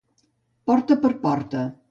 Porta per porta.